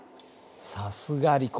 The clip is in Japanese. さすがリコ。